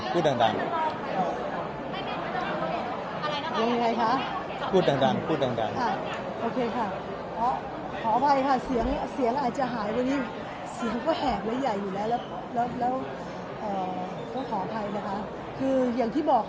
ประดูกที่สุดลงมาเนี่ยจริงแล้วไม่ได้เกิดเป็นสาเหตุมาจากอย่างอื่น